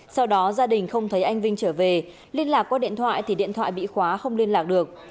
sau đó gia đình không thấy anh vinh trở về liên lạc qua điện thoại thì điện thoại bị khóa không liên lạc được